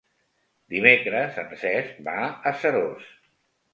Dimecres en Cesc va a Seròs.